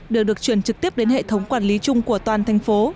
đều được chuyển trực tiếp đến hệ thống quản lý chung của toàn thành phố